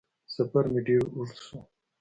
سفر مې ډېر اوږد شو